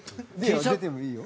出てもいいよ。